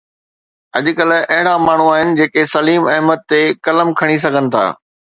اڄ ڪلهه اهڙا ماڻهو آهن جيڪي سليم احمد تي قلم کڻي سگهن ٿا.